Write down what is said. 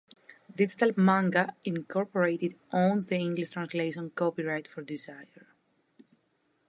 Digital Manga, Incorporated owns the English translation copyright for "Desire".